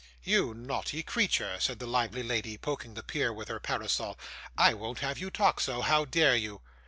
'You naughty creature,' said the lively lady, poking the peer with her parasol; 'I won't have you talk so. How dare you?